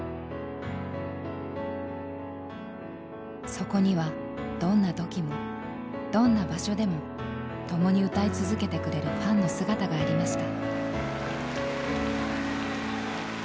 そこにはどんな時もどんな場所でも共に歌い続けてくれるファンの姿がありました。